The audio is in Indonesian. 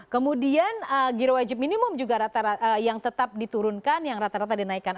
kemudian giro wajib minimum juga rata rata yang tetap diturunkan yang rata rata dinaikan